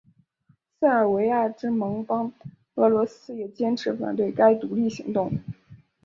塞尔维亚之盟邦俄罗斯也坚持反对该独立行动。